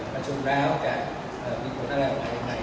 ประชุมแล้วจะมีคนอะไรหรือไม่